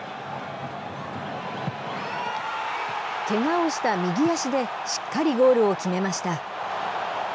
けがをした右足でしっかりゴールを決めました。